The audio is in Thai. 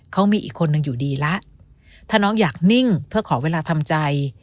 เขามีอีกคนนึงอยู่ดีแล้วถ้าน้องอยากนิ่งเพื่อขอเวลาทำใจ